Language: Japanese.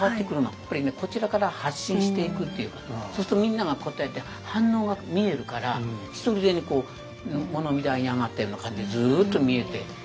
やっぱりねこちらから発信していくっていうかそうするとみんなが応えて反応が見えるからひとりでに物見台に上がったような感じでずっと見えて。